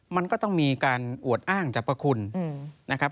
มันก็ต้องมีการอวดอ้างสรรพคุณนะครับ